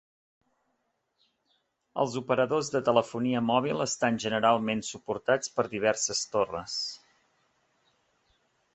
Els operadors de telefonia mòbil estan generalment suportats per diverses torres.